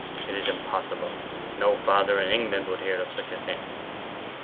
It is impossible; no father in England would hear of such a thing.